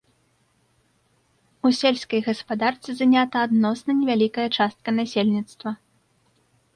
У сельскай гаспадарцы занята адносна невялікая частка насельніцтва.